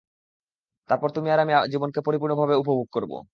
তারপর তুমি আর আমি জীবনকে পরিপূর্ণভাবে উপভোগ করবো।